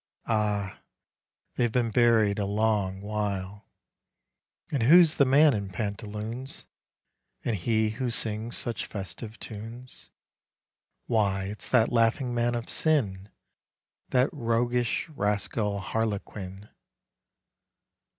Ah ! they 've been buried a long while ! And who's the man in pantaloons, And he who sings such festive tunes ? Why it's that laughing man of sin, That roguish rascal Harlequin